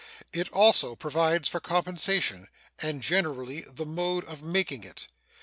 It also provides for compensation, and generally the mode of making it.